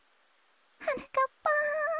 はなかっぱん。